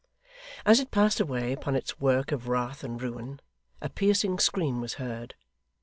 As it passed away upon its work of wrath and ruin, a piercing scream was heard.